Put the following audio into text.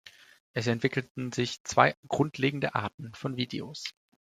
Es entwickelten sich zwei grundlegende Arten von Videos.